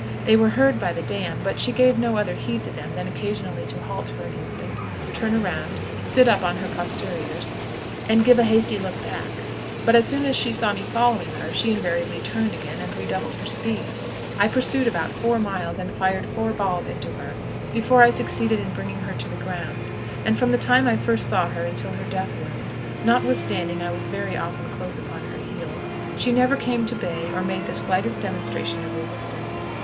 They were heard by the dam, but she gave no other heed to them than occasionally to halt for an instant, turn around, sit up on her posteriors, and give a hasty look back; but, as soon as she saw me following her, she invariably turned again and redoubled her speed. I pursued about four miles and fired four balls into her before I succeeded in bringing her to the ground, and from the time I first saw her until her death wound, notwithstanding I was often very close upon her heels, she never came to bay or made the slightest demonstration of resistance.